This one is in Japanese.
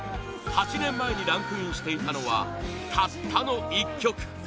８年前にランクインしていたのはたったの１曲！